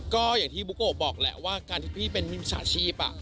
ก็อย่างที่บุโกะบอกแหละว่าการที่พี่เป็นมิจฉาชีพ